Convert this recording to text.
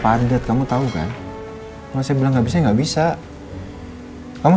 makasih jadwal saya padat kamu tahu kan masih bilang gak bisa nggak bisa kamu